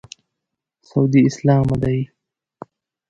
سعودي اسلامه دی.